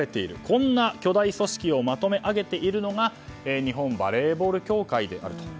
こんな巨大組織をまとめ上げているのが日本バレーボール協会であると。